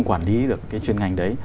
quản lý được cái chuyên ngành đấy